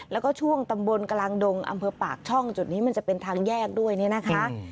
แล้วก็ช่วงตำบลกลางดงอำเภอปากช่องจุดนี้มันจะเป็นทางแยกด้วยเนี่ยนะคะ